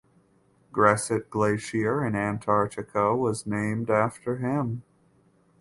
Gressitt Glacier in Antarctica was named after him.